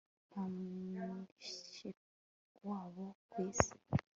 nta mushikiwabo ku isi